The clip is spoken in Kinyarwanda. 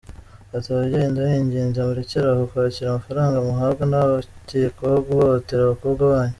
Ati “Babyeyi ndabinginze murekeraho kwakira amafaranga muhabwa n’aba bakekwaho guhohotera abakobwa banyu.